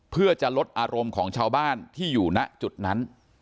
เพื่อจะลดอารมณ์ของชาวบ้านที่อยู่ณจุดนั้น